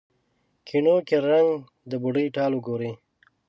ګېڼو کې رنګ، د بوډۍ ټال وګورې